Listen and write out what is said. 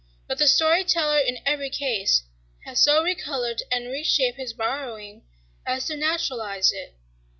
But the story teller, in every case, has so recolored and reshaped his borrowing as to naturalize it...